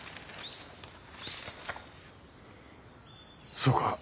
そうか。